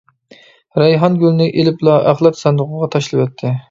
رەيھان گۈلنى ئىلىپلا ئەخلەت ساندۇقىغا تاشلىۋەتتى.